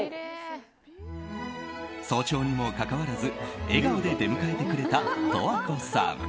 早朝にもかかわらず笑顔で出迎えてくれた十和子さん。